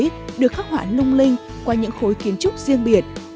nhịp thở hối được khắc họa lung linh qua những khối kiến trúc riêng biệt